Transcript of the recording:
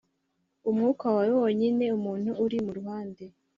umwuka wawe wonyine umuntu uri mu ruhande